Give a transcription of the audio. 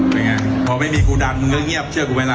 เพราะไม่มีกูดังเค้าเงียบเชื่อกูไหมล่ะ